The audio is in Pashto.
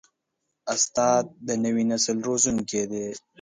استاد د نوي نسل روزونکی دی.